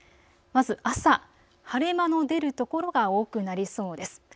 まず朝、晴れ間の出る所が多くなりそうです。